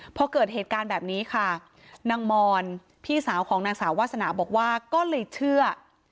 พอเกิดเหตุการณ์แบบนี้ค่ะนางมอนพี่สาวของนางสาววาสนาบอกว่าก็เลยเชื่อ